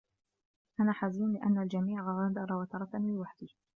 أنا حزين لأن الجميع غادر و تركني لوحدي.